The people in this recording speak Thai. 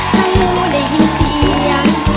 ถ้างูได้ยินเสียง